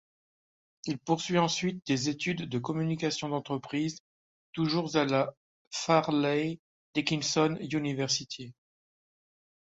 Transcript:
Il poursuit ensuite des études de communication d'entreprise toujours à la Fairleigh Dickinson University.